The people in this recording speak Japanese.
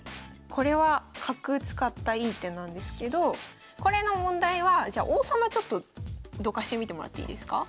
これは角使ったいい手なんですけどこれの問題はじゃあ王様ちょっとどかしてみてもらっていいですか？